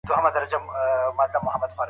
دا تعريف په معاصره اقتصاد کي خورا معتبر دی.